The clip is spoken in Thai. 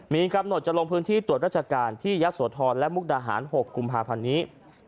มีกำหนดจะลงพื้นที่ตรวจราชการที่ยะโสธรและมุกดาหาร๖กุมภาพันธ์นี้